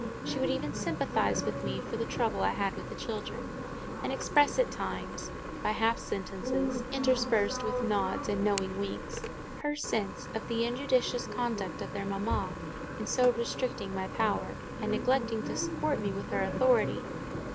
She would even sympathise with me for the trouble I had with the children, and express at times, by half sentences, interspersed with nods and knowing winks, her sense of the injudicious conduct of their mamma in so restricting my power, and neglecting to support me with her authority.